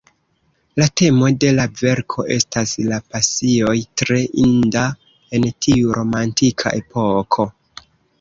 La temo de la verko estas la pasioj, tre inda en tiu romantika epoko.